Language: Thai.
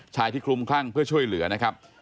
ชายที่คลุมคลั่งเพื่อช่วยเหลือนะครับ